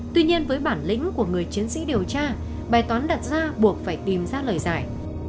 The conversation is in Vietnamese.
tuy nhiên với bản lĩnh của người chiến sĩ điều tra bài toán đặt ra buộc phải tìm ra lời giải